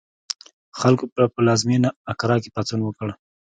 خلکو په پلازمېنه اکرا کې پاڅون وکړ.